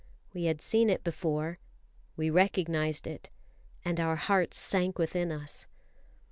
We had seen it before; we recognised it, and our hearts sank within us.